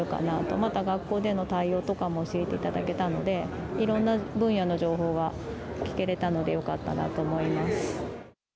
また学校での対応とかも教えていただけたので、いろんな分野の情報が聞けれたのでよかったなと思います。